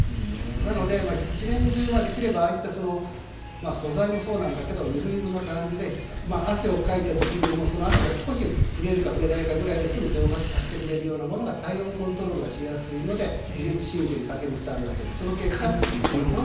なので１年中、できればああいった素材もそうなんだけどゆるゆるな感じで汗をかいた時にもその汗が少し触れるか触れないかぐらいですぐ蒸発させてくれるようなものが体温コントロールがしやすいので自律神経にかける負担が減る。